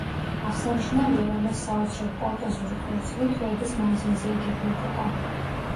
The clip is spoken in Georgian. აღსანიშნავია, რომ ეს საოცრად პომპეზური ქორწილი თვეების მანძილზე იგეგმებოდა.